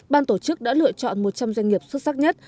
ban tổ chức đã lựa chọn một trăm linh doanh nghiệp xuất sắc nhất